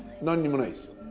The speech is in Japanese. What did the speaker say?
何にもないですよ。